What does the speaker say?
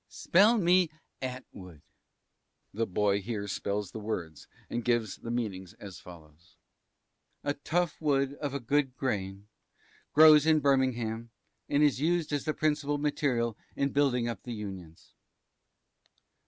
T. Spell me Attwood. (The boy here spells the words, and gives the meanings as follows.) A tough wood of a good grain, grows in Birmingham, and is used as the principal material in building up the Unions.